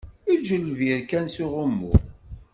Eǧǧ lbir kan s uɣummu.